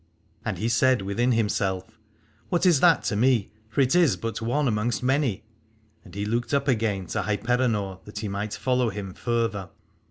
And he said within him self: What is that to me, for it is but one amongst many : and he looked up again to Hyperenor that he might follow him further.